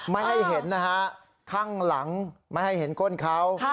ไม่ให้เห็นนะฮะข้างหลังไม่ให้เห็นก้นเขา